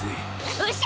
うっしゃ！